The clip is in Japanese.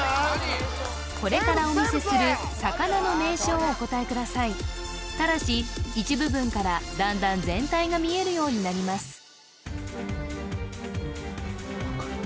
これからお見せする魚の名称をお答えくださいただし一部分から段々全体が見えるようになります分からない